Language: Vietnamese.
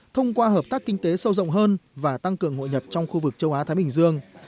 thông qua hợp tác kinh tế sâu rộng hơn và tăng cường hội nhập trong khu vực châu á thái bình dương